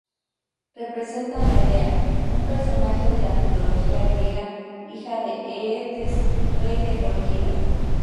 Representa Medea, un personaje de la mitología griega, hija de Eetes, rey de Cólquida.